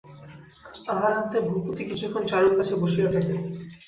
আহারান্তে ভূপতি কিছুক্ষণ চারুর কাছে বসিয়া থাকে।